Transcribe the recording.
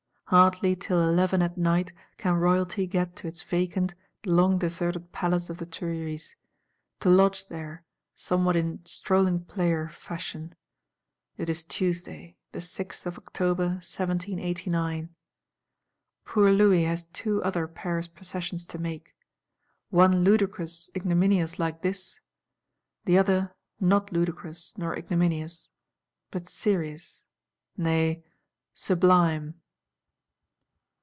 Hardly till eleven at night can Royalty get to its vacant, long deserted Palace of the Tuileries: to lodge there, somewhat in strolling player fashion. It is Tuesday, the sixth of October, 1789. Poor Louis has Two other Paris Processions to make: one ludicrous ignominious like this; the other not ludicrous nor ignominious, but serious, nay sublime.